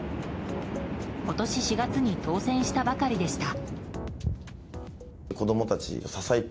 今年４月に当選したばかりでした。